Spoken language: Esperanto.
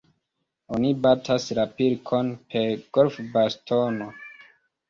Oni batas la pilkon per golfbastono.